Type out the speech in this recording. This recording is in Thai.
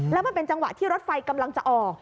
แล้วมันเป็นจังหวะที่รถไฟกำลังจะออก